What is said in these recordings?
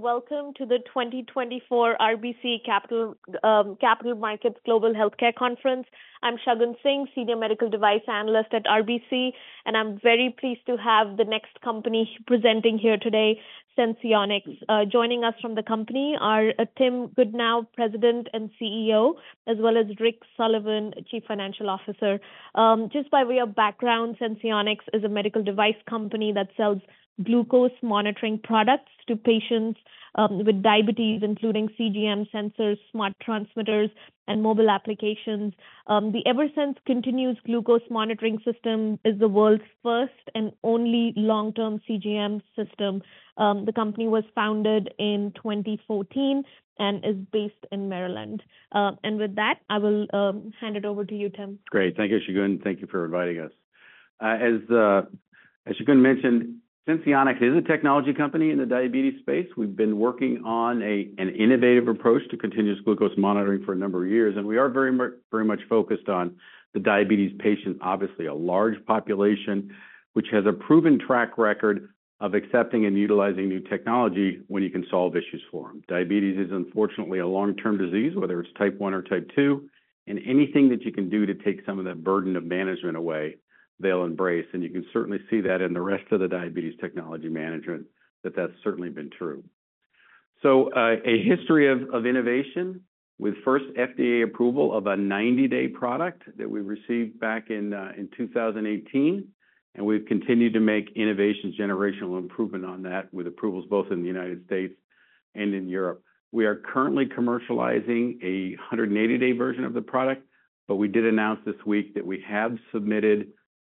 Welcome to the 2024 RBC Capital Markets Global Healthcare Conference. I'm Shagun Singh, senior medical device analyst at RBC, and I'm very pleased to have the next company presenting here today, Senseonics. Joining us from the company are Tim Goodnow, President and CEO, as well as Rick Sullivan, Chief Financial Officer. Just by way of background, Senseonics is a medical device company that sells glucose monitoring products to patients with diabetes, including CGM sensors, smart transmitters, and mobile applications. The Eversense Continuous Glucose Monitoring System is the world's first and only long-term CGM system. The company was founded in 2014 and is based in Maryland. With that, I will hand it over to you, Tim. Great. Thank you, Shagun. Thank you for inviting us. As Shagun mentioned, Senseonics is a technology company in the diabetes space. We've been working on an innovative approach to continuous glucose monitoring for a number of years, and we are very much focused on the diabetes patient. Obviously, a large population, which has a proven track record of accepting and utilizing new technology when you can solve issues for them. Diabetes is, unfortunately, a long-term disease, whether it's Type 1 or Type 2, and anything that you can do to take some of that burden of management away, they'll embrace, and you can certainly see that in the rest of the diabetes technology management, that that's certainly been true. So, a history of innovation with first FDA approval of a 90-day product that we received back in 2018, and we've continued to make innovations, generational improvement on that with approvals both in the United States and in Europe. We are currently commercializing a 180-day version of the product, but we did announce this week that we have submitted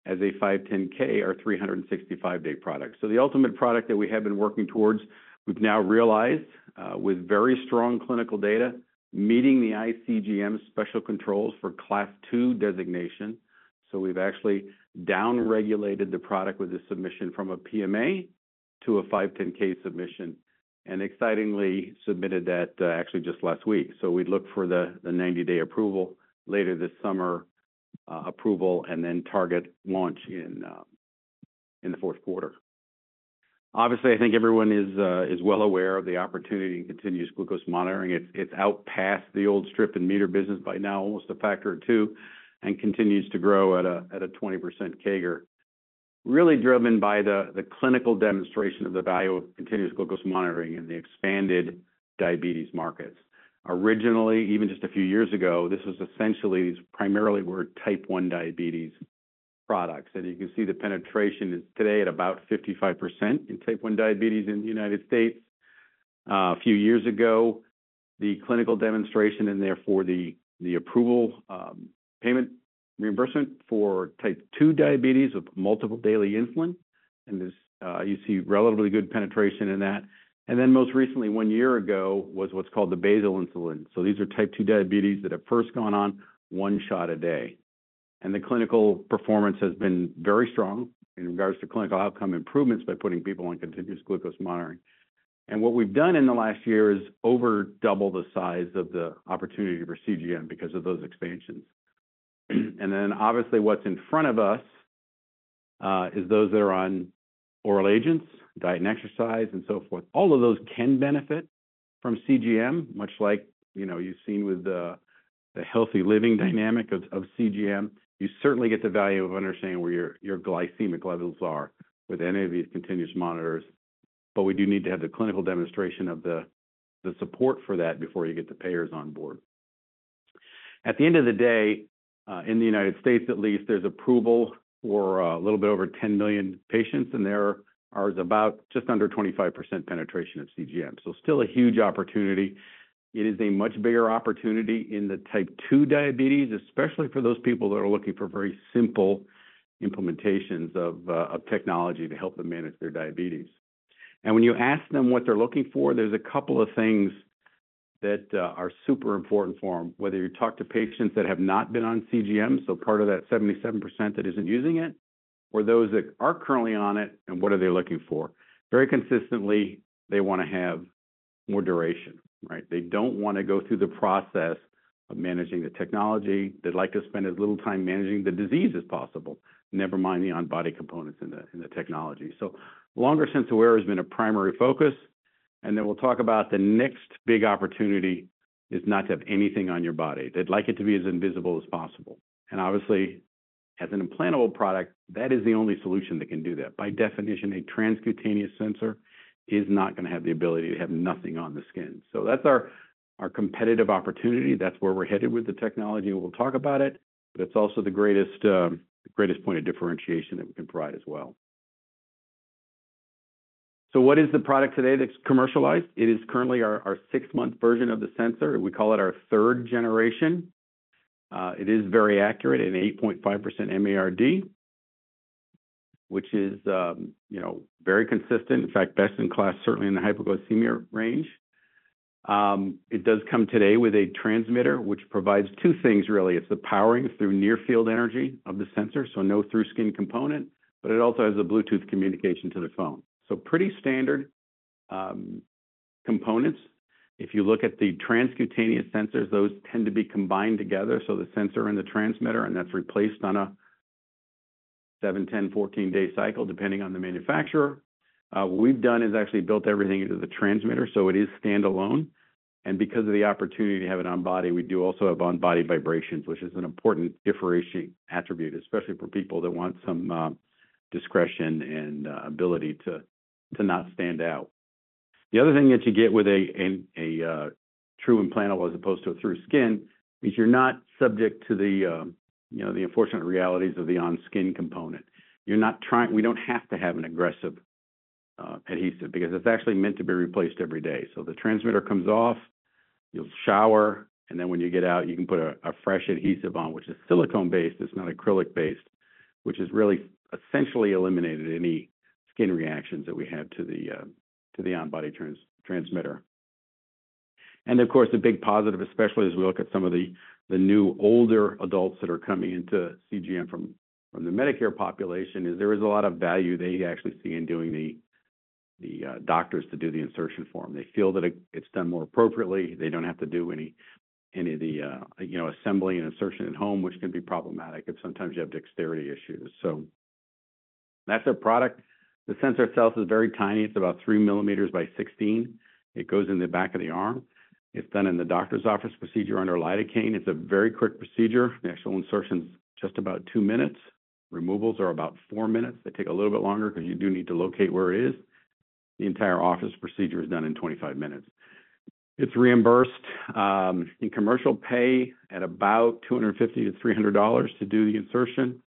as a 510(k), our 365-day product. So the ultimate product that we have been working towards, we've now realized, with very strong clinical data, meeting the iCGM special controls for Class II designation. So we've actually down-regulated the product with a submission from a PMA to a 510(k) submission, and excitingly submitted that, actually just last week. So we'd look for the 90-day approval later this summer, and then target launch in the Q4. Obviously, I think everyone is well aware of the opportunity in continuous glucose monitoring. It's out past the old strip and meter business by now, almost a factor of two, and continues to grow at a 20% CAGR. Really driven by the clinical demonstration of the value of continuous glucose monitoring in the expanded diabetes markets. Originally, even just a few years ago, this was essentially, these primarily were Type 1 diabetes products, and you can see the penetration is today at about 55% in Type 1 diabetes in the United States. A few years ago, the clinical demonstration and therefore the approval, payment reimbursement for Type 2 diabetes with multiple daily insulin, and there's you see relatively good penetration in that. And then most recently, one year ago, was what's called the basal insulin. So these are Type 2 diabetes that have first gone on one shot a day. And the clinical performance has been very strong in regards to clinical outcome improvements by putting people on continuous glucose monitoring. And what we've done in the last year is over double the size of the opportunity for CGM because of those expansions. And then, obviously, what's in front of us is those that are on oral agents, diet and exercise, and so forth. All of those can benefit from CGM, much like, you know, you've seen with the healthy living dynamic of CGM. You certainly get the value of understanding where your glycemic levels are with any of these continuous monitors, but we do need to have the clinical demonstration of the support for that before you get the payers on board. At the end of the day, in the United States at least, there's approval for a little bit over 10 million patients, and there are about just under 25% penetration of CGM. So still a huge opportunity. It is a much bigger opportunity in the Type 2 diabetes, especially for those people that are looking for very simple implementations of technology to help them manage their diabetes. When you ask them what they're looking for, there's a couple of things that are super important for them, whether you talk to patients that have not been on CGM, so part of that 77% that isn't using it, or those that are currently on it, and what are they looking for? Very consistently, they wanna have more duration, right? They don't want to go through the process of managing the technology. They'd like to spend as little time managing the disease as possible, never mind the on-body components in the technology. So longer sensor wear has been a primary focus, and then we'll talk about the next big opportunity is not to have anything on your body. They'd like it to be as invisible as possible. And obviously, as an implantable product, that is the only solution that can do that. By definition, a transcutaneous sensor is not gonna have the ability to have nothing on the skin. So that's our, our competitive opportunity. That's where we're headed with the technology, and we'll talk about it, but it's also the greatest, the greatest point of differentiation that we can provide as well. So what is the product today that's commercialized? It is currently our, our six-month version of the sensor. We call it our third generation. It is very accurate and 8.5% MARD, which is, you know, very consistent. In fact, best in class, certainly in the hypoglycemia range. It does come today with a transmitter, which provides two things, really. It's the powering through near-field energy of the sensor, so no through-skin component, but it also has a Bluetooth communication to the phone. So pretty standard, components. If you look at the transcutaneous sensors, those tend to be combined together, so the sensor and the transmitter, and that's replaced on a 7-, 10-, 14-day cycle, depending on the manufacturer. What we've done is actually built everything into the transmitter, so it is standalone. And because of the opportunity to have it on body, we do also have on-body vibrations, which is an important differentiating attribute, especially for people that want some discretion and ability to to not stand out. The other thing that you get with a true implantable as opposed to a through-skin is you're not subject to the you know, the unfortunate realities of the on-skin component. You're not trying we don't have to have an aggressive adhesive because it's actually meant to be replaced every day. So the transmitter comes off, you'll shower, and then when you get out, you can put a fresh adhesive on, which is silicone-based. It's not acrylic-based, which has really essentially eliminated any skin reactions that we had to the to the on-body transmitter. And of course, the big positive, especially as we look at some of the new older adults that are coming into CGM from the Medicare population, is there is a lot of value they actually see in doing the doctors to do the insertion for them. They feel that it, it's done more appropriately. They don't have to do any of the, you know, assembly and insertion at home, which can be problematic if sometimes you have dexterity issues. So that's our product. The sensor itself is very tiny. It's about 3 millimeters by 16. It goes in the back of the arm. It's done in the doctor's office, procedure under lidocaine. It's a very quick procedure. The actual insertion's just about two minutes. Removals are about four minutes. They take a little bit longer because you do need to locate where it is. The entire office procedure is done in 25 minutes. It's reimbursed in commercial pay at about $250-$300 to do the insertion.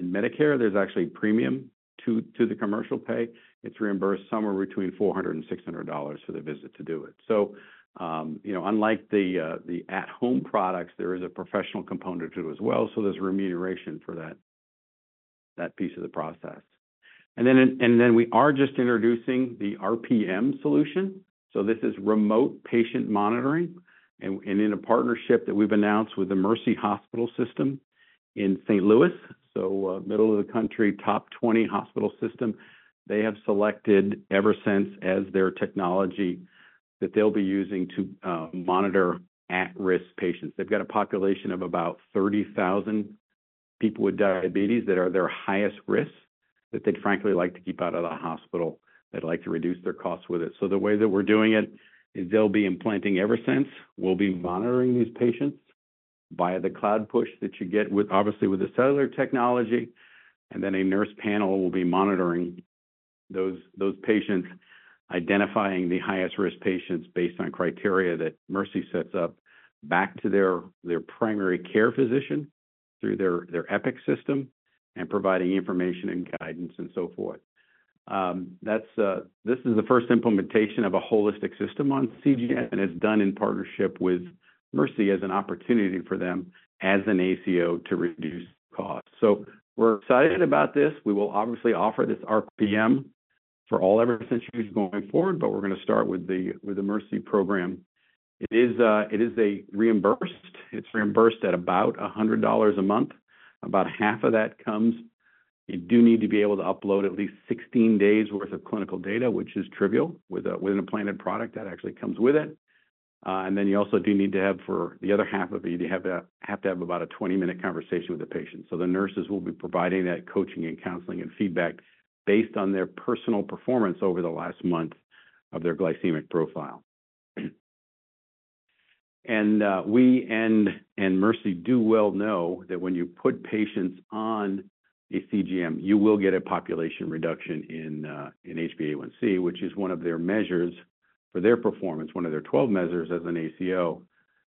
In Medicare, there's actually a premium to the commercial pay. It's reimbursed somewhere between $400-$600 for the visit to do it. So, you know, unlike the at-home products, there is a professional component to it as well, so there's remuneration for that piece of the process. And then we are just introducing the RPM solution. So this is remote patient monitoring, and in a partnership that we've announced with the Mercy health system in St. Louis, so middle of the country, top 20 hospital system. They have selected Eversense as their technology that they'll be using to monitor at-risk patients. They've got a population of about 30,000 people with diabetes that are their highest risk, that they'd frankly like to keep out of the hospital. They'd like to reduce their costs with it. So the way that we're doing it is they'll be implanting Eversense. We'll be monitoring these patients via the cloud push that you get with, obviously, with the cellular technology. Then a nurse panel will be monitoring those patients, identifying the highest-risk patients based on criteria that Mercy sets up back to their primary care physician through their Epic system, and providing information and guidance and so forth. That's... This is the first implementation of a holistic system on CGM and is done in partnership with Mercy as an opportunity for them as an ACO to reduce costs. So we're excited about this. We will obviously offer this RPM for all Eversense users going forward, but we're gonna start with the Mercy program. It is a reimbursed. It's reimbursed at about $100 a month. About half of that comes... You do need to be able to upload at least 16 days' worth of clinical data, which is trivial, with a, with an implanted product, that actually comes with it. And then you also do need to have for the other half of it, you have to, have to have about a 20-minute conversation with the patient. So the nurses will be providing that coaching and counseling and feedback based on their personal performance over the last month of their glycemic profile. And, we and, and Mercy do well know that when you put patients on a CGM, you will get a population reduction in, in HbA1c, which is one of their measures for their performance, one of their 12 measures as an ACO,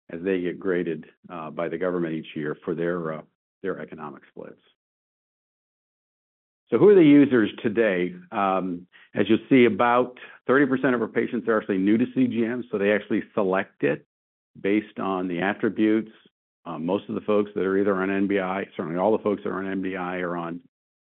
as they get graded, by the government each year for their, their economic splits. So who are the users today? As you'll see, about 30% of our patients are actually new to CGM, so they actually select it based on the attributes. Most of the folks that are either on MDI, certainly all the folks that are on MDI, are on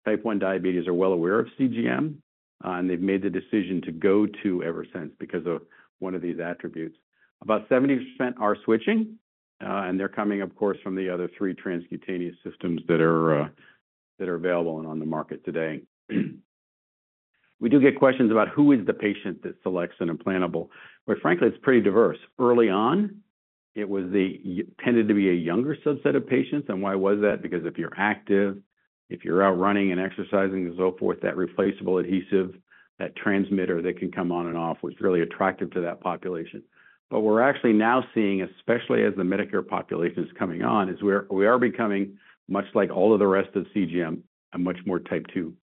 Type 1 diabetes, are well aware of CGM, and they've made the decision to go to Eversense because of one of these attributes. About 70% are switching, and they're coming, of course, from the other 3 transcutaneous systems that are available and on the market today. We do get questions about who is the patient that selects an implantable, but frankly, it's pretty diverse. Early on, it tended to be a younger subset of patients. And why was that? Because if you're active, if you're out running and exercising and so forth, that replaceable adhesive, that transmitter that can come on and off, was really attractive to that population. But we're actually now seeing, especially as the Medicare population is coming on, we are becoming, much like all of the rest of CGM, a much more Type 2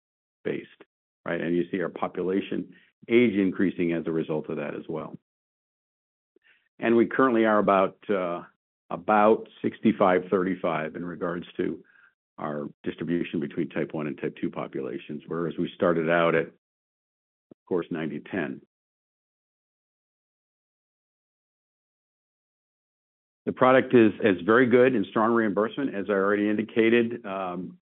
based, right? And you see our population age increasing as a result of that as well. And we currently are about 65-35 in regards to our distribution between Type 1 and Type 2 populations, whereas we started out at, of course, 90-10. The product is very good and strong reimbursement, as I already indicated.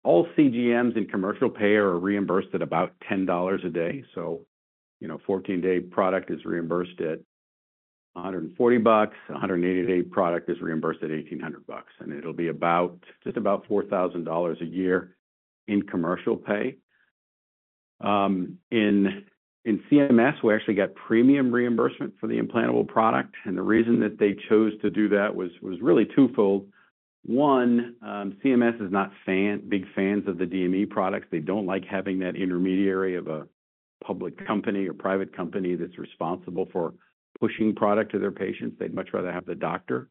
All CGMs in commercial pay are reimbursed at about $10 a day. So, you know, 14-day product is reimbursed at $140. A 180-day product is reimbursed at $1,800, and it'll be about, just about $4,000 a year in commercial pay. In CMS, we actually got premium reimbursement for the implantable product, and the reason that they chose to do that was really twofold. One, CMS is not big fans of the DME products. They don't like having that intermediary of a public company or private company that's responsible for pushing product to their patients. They'd much rather have the doctor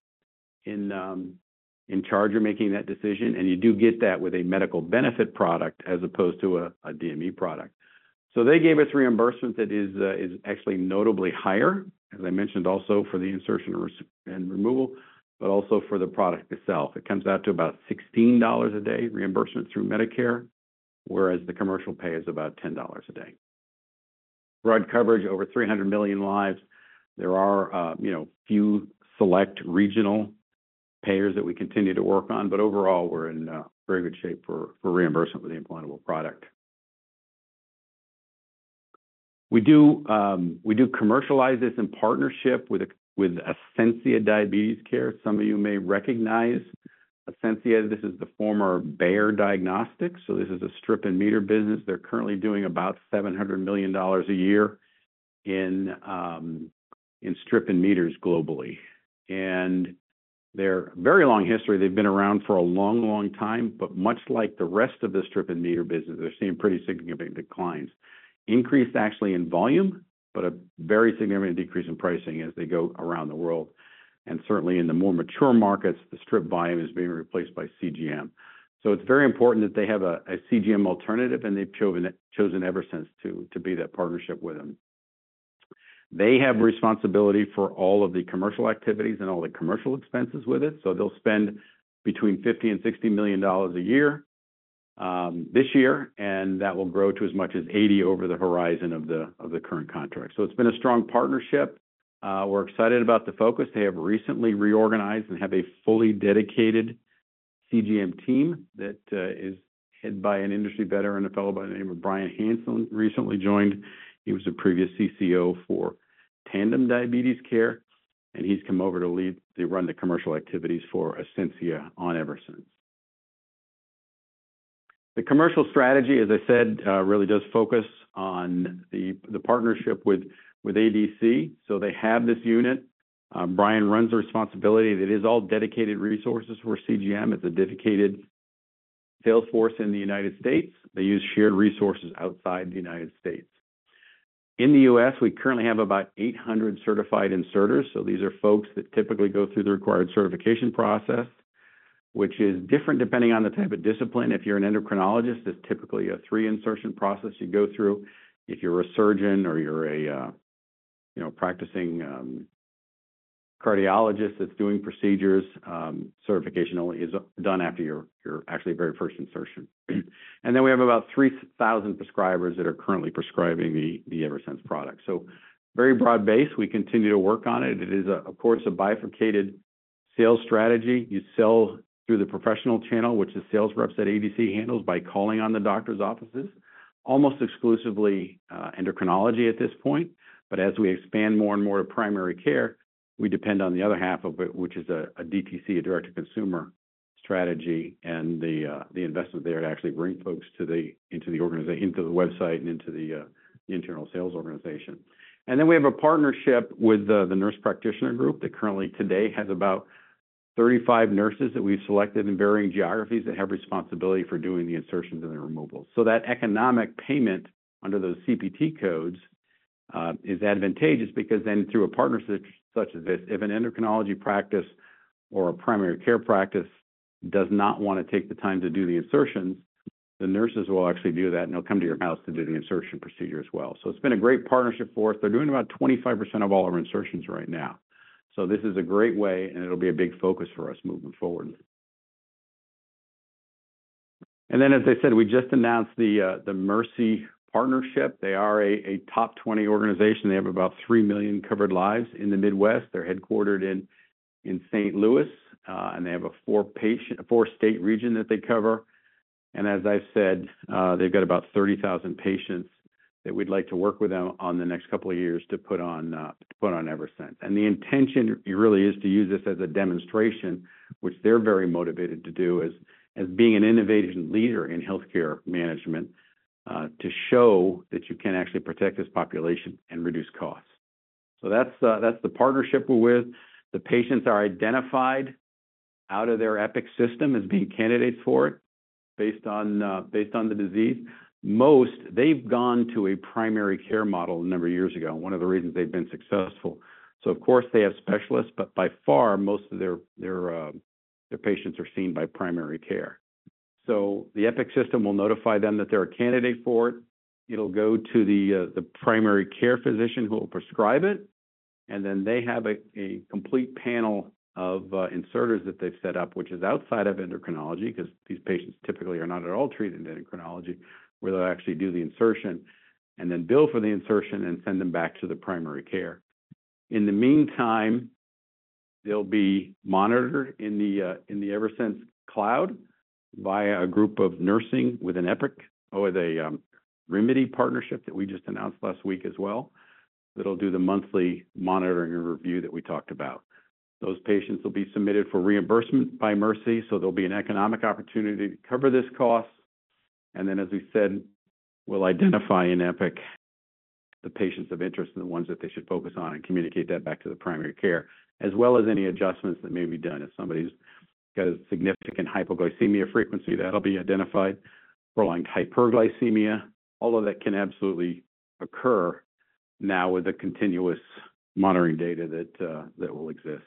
in charge of making that decision, and you do get that with a medical benefit product as opposed to a DME product. So they gave us reimbursement that is actually notably higher, as I mentioned, also for the insertion and removal, but also for the product itself. It comes out to about $16 a day, reimbursement through Medicare, whereas the commercial pay is about $10 a day. Broad coverage, over 300 million lives. There are, you know, few select regional payers that we continue to work on, but overall, we're in, very good shape for, for reimbursement with the implantable product. We do, we do commercialize this in partnership with a, with Ascensia Diabetes Care. Some of you may recognize Ascensia. This is the former Bayer Diagnostics, so this is a strip and meter business. They're currently doing about $700 million a year in, in strip and meters globally. And they're very long history. They've been around for a long, long time, but much like the rest of the strip and meter business, they're seeing pretty significant declines. Increase actually in volume, but a very significant decrease in pricing as they go around the world. Certainly in the more mature markets, the strip volume is being replaced by CGM. It's very important that they have a CGM alternative, and they've chosen Eversense to be that partnership with them. They have responsibility for all of the commercial activities and all the commercial expenses with it, so they'll spend between $50 and $60 million a year, this year, and that will grow to as much as $80 million over the horizon of the current contract. So it's been a strong partnership. We're excited about the focus. They have recently reorganized and have a fully dedicated CGM team that is headed by an industry veteran, a fellow by the name of Brian Hansen, recently joined. He was a previous CCO for Tandem Diabetes Care, and he's come over to lead and run the commercial activities for Ascensia on Eversense. The commercial strategy, as I said, really does focus on the partnership with ADC. So they have this unit. Brian has the responsibility. It is all dedicated resources for CGM. It's a dedicated sales force in the United States. They use shared resources outside the United States. In the US, we currently have about 800 certified inserters, so these are folks that typically go through the required certification process, which is different depending on the type of discipline. If you're an endocrinologist, it's typically a three-insertion process you go through. If you're a surgeon or you're a, you know, practicing cardiologist that's doing procedures, certification only is done after your actually very first insertion. And then we have about 3,000 prescribers that are currently prescribing the Eversense product. So very broad base. We continue to work on it. It is, of course, a bifurcated sales strategy. You sell through the professional channel, which is sales reps that ADC handles by calling on the doctor's offices, almost exclusively, endocrinology at this point. But as we expand more and more to primary care, we depend on the other half of it, which is a DTC, direct-to-consumer strategy, and the investments there to actually bring folks into the website and into the internal sales organization. And then we have a partnership with the nurse practitioner group that currently today has about 35 nurses that we've selected in varying geographies that have responsibility for doing the insertions and the removals. So that economic payment under those CPT codes is advantageous because then through a partnership such as this, if an endocrinology practice or a primary care practice does not want to take the time to do the insertions, the nurses will actually do that, and they'll come to your house to do the insertion procedure as well. So it's been a great partnership for us. They're doing about 25% of all our insertions right now. So this is a great way, and it'll be a big focus for us moving forward. And then, as I said, we just announced the Mercy partnership. They are a top 20 organization. They have about 3 million covered lives in the Midwest. They're headquartered in St. Louis, and they have a four-state region that they cover. As I've said, they've got about 30,000 patients that we'd like to work with them on the next couple of years to put on, to put on Eversense. And the intention really is to use this as a demonstration, which they're very motivated to do, as being an innovation leader in healthcare management, to show that you can actually protect this population and reduce costs. So that's the, that's the partnership we're with. The patients are identified out of their Epic system as being candidates for it based on, based on the disease. Most, they've gone to a primary care model a number of years ago, and one of the reasons they've been successful. So of course, they have specialists, but by far, most of their, their, their patients are seen by primary care. So the Epic system will notify them that they're a candidate for it. It'll go to the primary care physician who will prescribe it, and then they have a complete panel of inserters that they've set up, which is outside of endocrinology, because these patients typically are not at all treated in endocrinology, where they'll actually do the insertion and then bill for the insertion and send them back to the primary care. In the meantime, they'll be monitored in the Eversense cloud via a group of nursing with an Epic, or with a Rimidi partnership that we just announced last week as well.... that'll do the monthly monitoring and review that we talked about. Those patients will be submitted for reimbursement by Mercy, so there'll be an economic opportunity to cover this cost. And then, as we said, we'll identify in Epic the patients of interest and the ones that they should focus on and communicate that back to the primary care, as well as any adjustments that may be done. If somebody's got a significant hypoglycemia frequency, that'll be identified, or like hyperglycemia, all of that can absolutely occur now with the continuous monitoring data that will exist.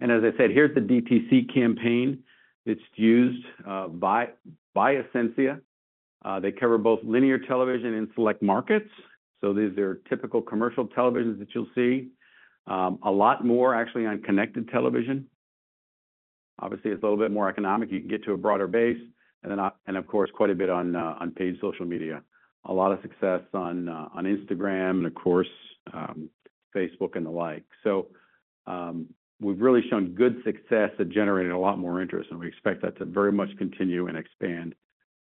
And as I said, here's the DTC campaign that's used by Ascensia. They cover both linear television and select markets. So these are typical commercial televisions that you'll see. A lot more actually on connected television. Obviously, it's a little bit more economic. You can get to a broader base, and then, of course, quite a bit on paid social media. A lot of success on, on Instagram and, of course, Facebook and the like. So, we've really shown good success at generating a lot more interest, and we expect that to very much continue and expand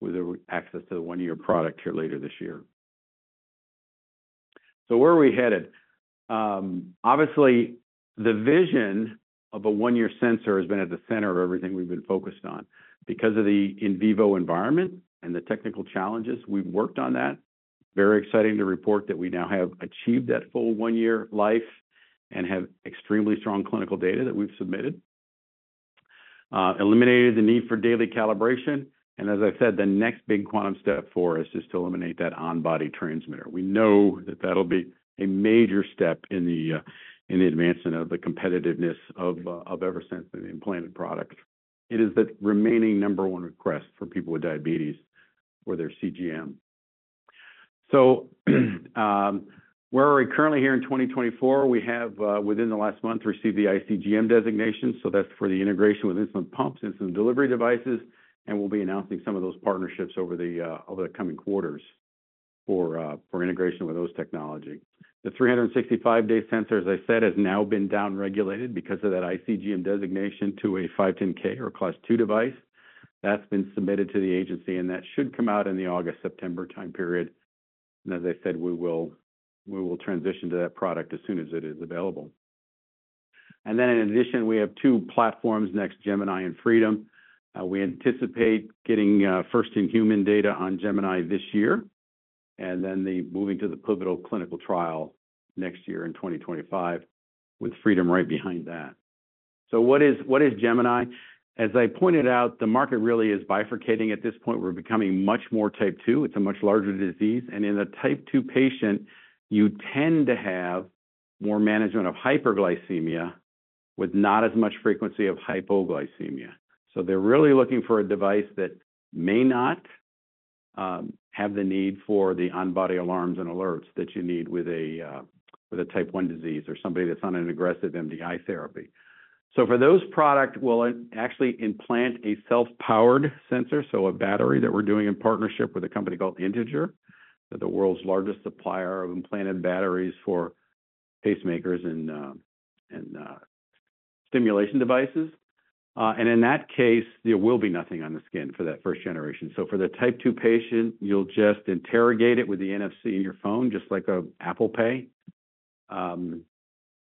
with the access to the 1-year product here later this year. So where are we headed? Obviously, the vision of a 1-year sensor has been at the center of everything we've been focused on. Because of the in vivo environment and the technical challenges, we've worked on that. Very exciting to report that we now have achieved that full 1-year life and have extremely strong clinical data that we've submitted. Eliminated the need for daily calibration, and as I said, the next big quantum step for us is to eliminate that on-body transmitter. We know that that'll be a major step in the, in the advancement of the competitiveness of, of Eversense and the implanted products. It is the remaining number one request for people with diabetes for their CGM. So, where are we currently here in 2024? We have, within the last month, received the iCGM designation, so that's for the integration with insulin pumps, insulin delivery devices, and we'll be announcing some of those partnerships over the, over the coming quarters for, for integration with those technology. The 365-day sensor, as I said, has now been down-regulated because of that iCGM designation to a 510(k) or Class II device. That's been submitted to the agency, and that should come out in the August, September time period. As I said, we will, we will transition to that product as soon as it is available. And then in addition, we have two platforms next, Gemini and Freedom. We anticipate getting first in human data on Gemini this year, and then the moving to the pivotal clinical trial next year in 2025, with Freedom right behind that. So what is, what is Gemini? As I pointed out, the market really is bifurcating at this point. We're becoming much more Type 2. It's a much larger disease, and in a Type 2 patient, you tend to have more management of hyperglycemia with not as much frequency of hypoglycemia. So they're really looking for a device that may not have the need for the on-body alarms and alerts that you need with a Type 1 disease or somebody that's on an aggressive MDI therapy. So for those product, we'll actually implant a self-powered sensor, so a battery that we're doing in partnership with a company called Integer, they're the world's largest supplier of implanted batteries for pacemakers and stimulation devices. And in that case, there will be nothing on the skin for that first generation. So for the Type 2 patient, you'll just interrogate it with the NFC in your phone, just like an Apple Pay,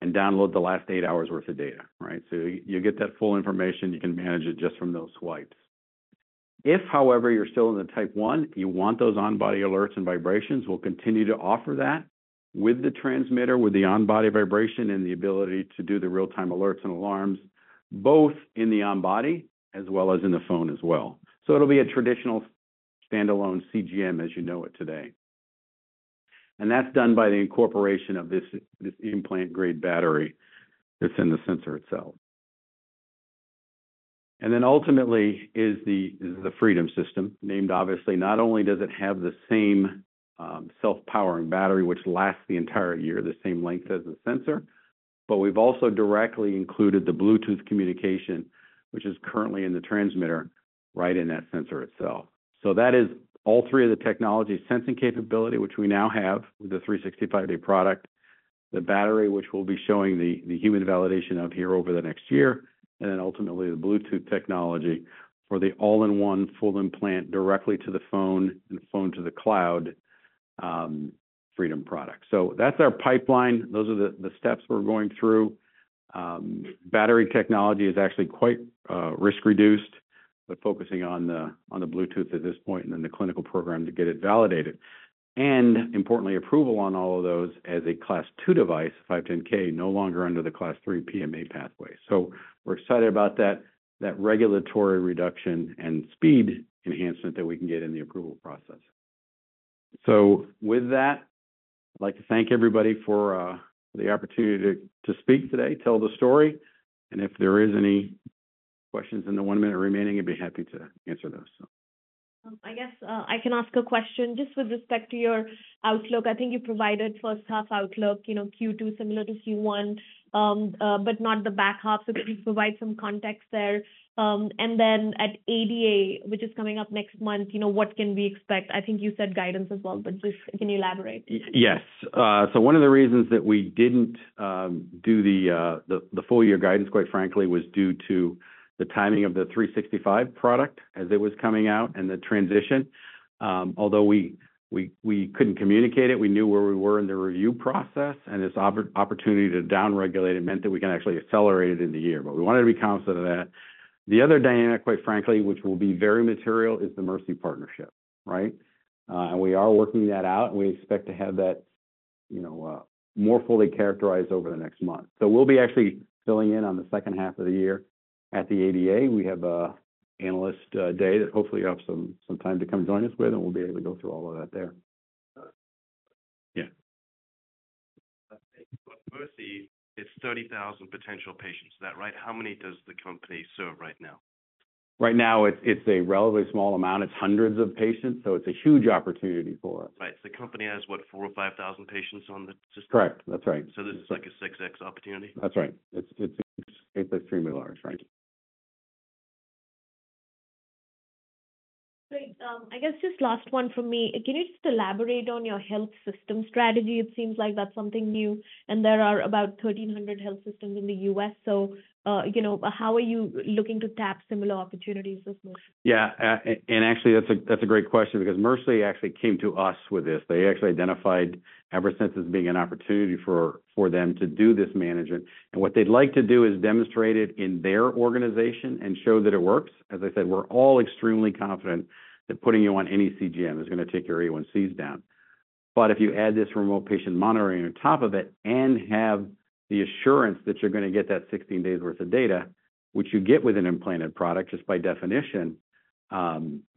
and download the last eight hours worth of data, right? So you get that full information, you can manage it just from those swipes. If, however, you're still in the Type 1, you want those on-body alerts and vibrations, we'll continue to offer that with the transmitter, with the on-body vibration and the ability to do the real-time alerts and alarms, both in the on-body as well as in the phone as well. So it'll be a traditional standalone CGM as you know it today. And that's done by the incorporation of this implant-grade battery that's in the sensor itself. And then ultimately the Freedom System, named obviously, not only does it have the same self-powering battery, which lasts the entire year, the same length as the sensor, but we've also directly included the Bluetooth communication, which is currently in the transmitter, right in that sensor itself. So that is all three of the technologies, sensing capability, which we now have with the 365-day product, the battery which we'll be showing the human validation of here over the next year, and then ultimately, the Bluetooth technology for the all-in-one full implant directly to the phone and phone to the cloud, Freedom product. So that's our pipeline. Those are the steps we're going through. Battery technology is actually quite risk-reduced, but focusing on the Bluetooth at this point and then the clinical program to get it validated. And importantly, approval on all of those as a Class II device, 510(k), no longer under the Class III PMA pathway. So we're excited about that regulatory reduction and speed enhancement that we can get in the approval process. With that, I'd like to thank everybody for the opportunity to speak today, tell the story, and if there is any questions in the one minute remaining, I'd be happy to answer those. I guess, I can ask a question just with respect to your outlook. I think you provided first half outlook, you know, Q2, similar to Q1, but not the back half. Can you provide some context there? And then at ADA, which is coming up next month, you know, what can we expect? I think you said guidance as well, but just can you elaborate? Yes. So one of the reasons that we didn't do the full year guidance, quite frankly, was due to the timing of the 365 product as it was coming out and the transition. Although we couldn't communicate it, we knew where we were in the review process, and this opportunity to down-regulate it meant that we can actually accelerate it in the year, but we wanted to be conscious of that. The other dynamic, quite frankly, which will be very material, is the Mercy partnership, right? And we are working that out, and we expect to have that, you know, more fully characterized over the next month. So we'll be actually filling in on the second half of the year at the ADA. We have an analyst day that hopefully you have some time to come join us with, and we'll be able to go through all of that there. Yeah. Mercy, it's 30,000 potential patients. Is that right? How many does the company serve right now? Right now, it's a relatively small amount. It's hundreds of patients, so it's a huge opportunity for us. Right. So the company has, what, 4,000 or 5,000 patients on the system? Correct. That's right. So this is like a 6x opportunity? That's right. It's extremely large, right. Great. I guess just last one from me. Can you just elaborate on your health system strategy? It seems like that's something new, and there are about 1,300 health systems in the U.S., so, you know, how are you looking to tap similar opportunities as well? Yeah, and actually, that's a great question because Mercy actually came to us with this. They actually identified Eversense as being an opportunity for them to do this management. And what they'd like to do is demonstrate it in their organization and show that it works. As I said, we're all extremely confident that putting you on any CGM is gonna take your A1Cs down. But if you add this remote patient monitoring on top of it and have the assurance that you're gonna get that 16 days worth of data, which you get with an implanted product, just by definition,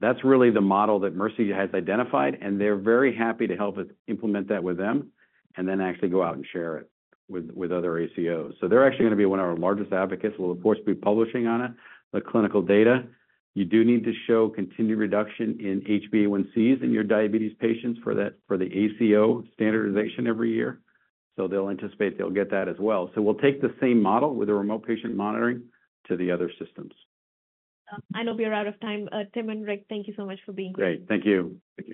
that's really the model that Mercy has identified, and they're very happy to help us implement that with them and then actually go out and share it with other ACOs. So they're actually gonna be one of our largest advocates. We'll, of course, be publishing on it, the clinical data. You do need to show continued reduction in HbA1c in your diabetes patients for that, for the ACO standardization every year. So they'll anticipate they'll get that as well. So we'll take the same model with a remote patient monitoring to the other systems. I know we are out of time. Tim and Rick, thank you so much for being here. Great. Thank you. Thank you.